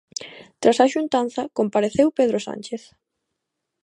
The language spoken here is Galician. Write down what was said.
Tras a xuntanza compareceu Pedro Sánchez.